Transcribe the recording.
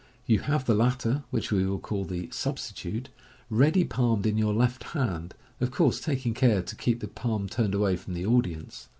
You have the latter, which we will call the " substitute," ready palmed in > our left hand, of course taking care to keep the palm turned away from the audience.